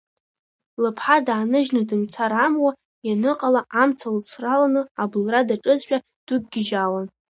Лыԥҳа дааныжьны дымцар амуа ианыҟала амца лыцраланы абылра даҿызшәа дықәгьежьаауан.